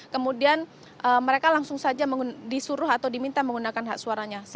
kemudian mereka langsung saja disuruh atau diminta menggunakan hak suaranya